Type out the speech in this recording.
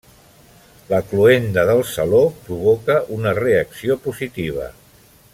La cloenda del Saló provoca una reacció positiva.